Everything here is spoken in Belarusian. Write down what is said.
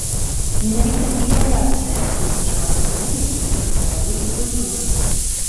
Менавіта ізаляцыя вызначыла асаблівасці іх мовы і культуры.